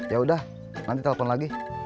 yaudah nanti telepon lagi